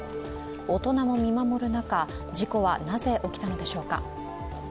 大人も見守る中、事故はなぜ起きたのでしょうか。